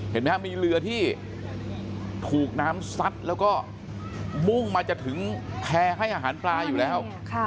เห็นไหมครับมีเรือที่ถูกน้ำซัดแล้วก็มุ่งมาจะถึงแพร่ให้อาหารปลาอยู่แล้ว